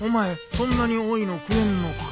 そんなに多いの食えんのか？